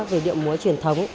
về điệu múa truyền thống